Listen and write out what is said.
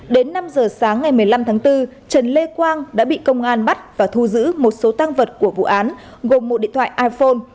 đến năm giờ sáng ngày một mươi năm tháng bốn trần lê quang đã bị công an bắt và thu giữ một số tăng vật của vụ án gồm một điện thoại iphone